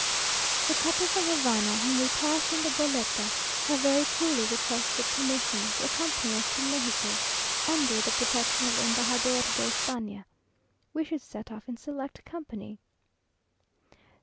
The couple from Havana, whom we passed in the goleta, have very coolly requested permission to accompany us to Mexico, "under the protection of the Embajador de Espana." We should set off in select company.